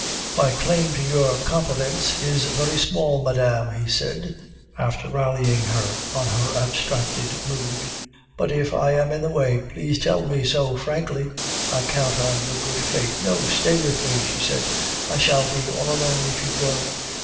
"My claim to your confidence is very small, madame," he said, after rallying her on her abstracted mood; "but if I am in the way, please tell me so frankly; I count on your good faith." "No, stay with me," she said; "I shall be all alone if you go.